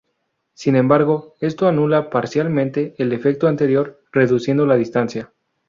Sin embargo, esto anula parcialmente el efecto anterior, reduciendo la distancia.